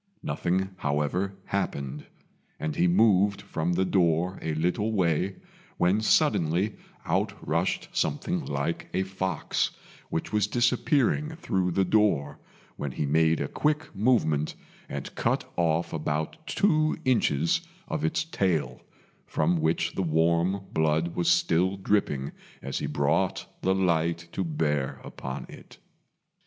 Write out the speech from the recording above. Nothing, however, happened, and he moved from the door a little way, when suddenly out rushed something like a fox, which was disappearing through the door, when he made a quick movement and cut off about two inches of its tail, from which the warm blood was still dripping as he brought the light to bear upon it.